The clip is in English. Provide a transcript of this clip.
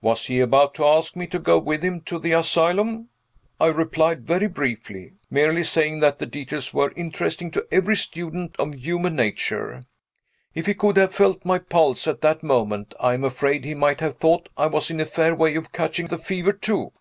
Was he about to ask me to go with him to the asylum? I replied very briefly, merely saying that the details were interesting to every student of human nature. If he could have felt my pulse at that moment, I am afraid he might have thought I was in a fair way of catching the fever too.